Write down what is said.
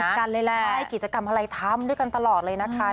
ตัวติดกันเลยแหละใช่กิจกรรมอะไรทำด้วยกันตลอดเลยนะคะ